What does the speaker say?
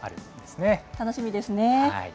楽しみですね。